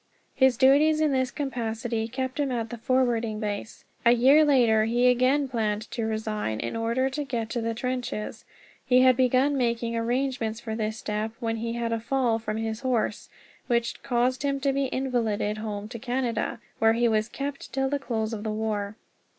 His duties in this capacity kept him at the Forwarding Base. A year later he again planned to resign, in order to get to the trenches. He had begun making arrangements for this step, when he had a fall from his horse, which caused him to be invalided home to Canada, where he was kept till the close of the war.